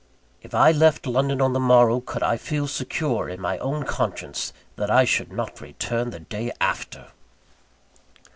If I left London on the morrow, could I feel secure, in my own conscience, that I should not return the day after!